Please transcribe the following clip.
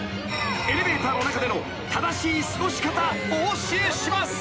［エレベーターの中での正しい過ごし方お教えします］